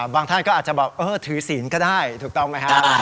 บางท่านก็อาจจะบอกเออถือศีลก็ได้ถูกต้องไหมครับได้